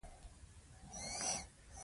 پښتو ژبه به زموږ په دې لاره کې ملګرې وي.